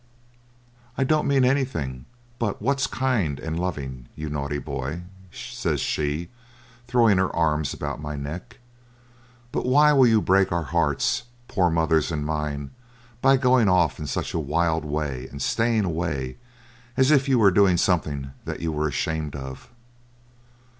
'I don't mean anything but what's kind and loving, you naughty boy,' says she, throwing her arms about my neck; 'but why will you break our hearts, poor mother's and mine, by going off in such a wild way and staying away, as if you were doing something that you were ashamed of?'